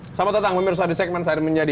selamat datang pemirsa di segmen sehari menjadi